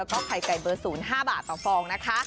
แล้วก็ไข่ไก่เบอร์๐๕บาทต่อฟองนะคะ